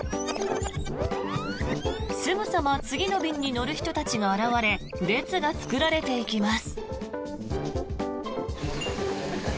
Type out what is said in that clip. すぐさま次の便に乗る人たちが現れ列が作られていきます。